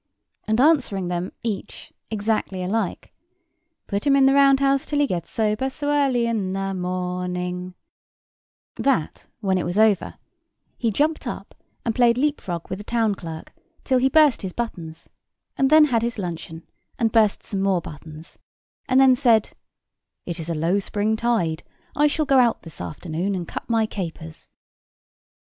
and answering them each exactly alike: "Put him in the round house till he gets sober, so early in the morning"— That, when it was over, he jumped up, and played leap frog with the town clerk till he burst his buttons, and then had his luncheon, and burst some more buttons, and then said: "It is a low spring tide; I shall go out this afternoon and cut my capers."